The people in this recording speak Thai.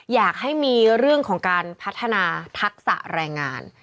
อยากให้มีเรื่องของการพัฒนาทักษะแรงงาน